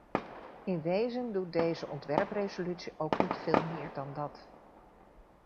In wezen doet deze ontwerpresolutie ook niet veel meer dan dat.